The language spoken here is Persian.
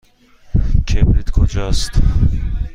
کبریت کجاست؟